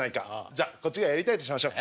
じゃあこっちがやりたいとしましょう。